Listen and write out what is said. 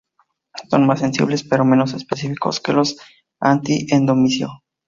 Son más sensibles, pero menos específicos que los anti-endomisio.